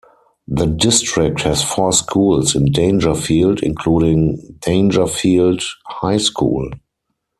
The district has four schools in Daingerfield including Daingerfield High School.